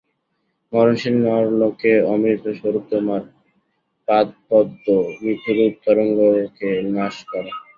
মরণশীল নরলোকে অমৃতস্বরূপ তোমার পাদপদ্ম মৃত্যুরূপ তরঙ্গকে নাশ করে।